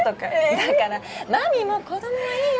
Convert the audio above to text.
だから真実も子供はいいよ